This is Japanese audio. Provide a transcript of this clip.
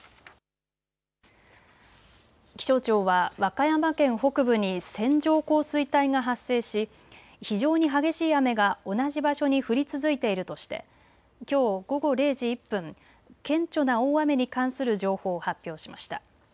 気象庁は和歌山県北部に線状降水帯が発生し非常に激しい雨が同じ場所に降り続いているとしてきょう午後０時１分、顕著な大雨に関する情報を発表しました。